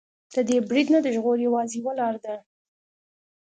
له دې برید نه د ژغور يوازې يوه لاره ده.